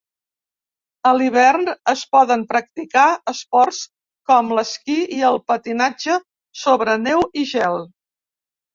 A l'hivern es poden practicar esports com l'esquí i el patinatge sobre neu i gel.